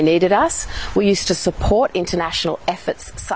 kami pernah mendukung usaha internasional seperti ini